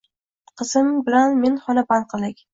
Qizim bilan men xona band qildik.